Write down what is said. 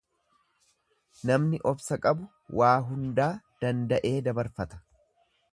Namni obsa qabu waa hundaa danda'ee dabarfata.